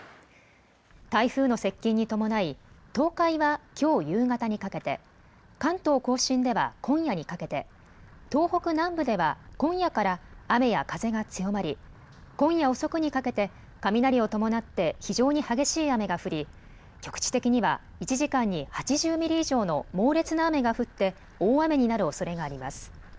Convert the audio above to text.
台風の接近に伴い東海はきょう夕方にかけて、関東甲信では今夜にかけて、東北南部では今夜から雨や風が強まり今夜遅くにかけて雷を伴って非常に激しい雨が降り局地的には１時間に８０ミリ以上の猛烈な雨が降って大雨になるおそれがあります。